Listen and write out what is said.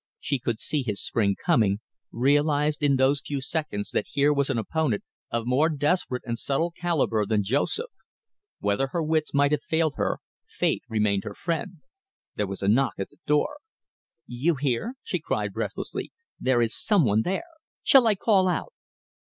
She could see his spring coming, realised in those few seconds that here was an opponent of more desperate and subtle calibre than Joseph. Whether her wits might have failed her, fate remained her friend. There was a knock at the door. "You hear?" she cried breathlessly. "There is some one there. Shall I call out?"